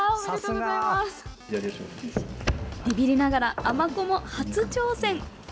ビビりながら尼子も初挑戦。